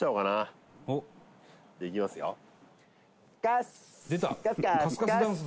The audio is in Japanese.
「いきますよ」